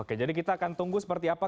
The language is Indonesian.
oke jadi kita akan tunggu seperti apa